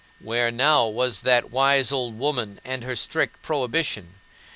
Where now was that wise old woman and her strict prohibition?